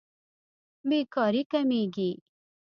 بېکاري کمېږي.